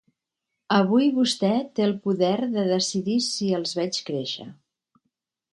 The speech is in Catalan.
Avui vostè té el poder de decidir si els veig créixer.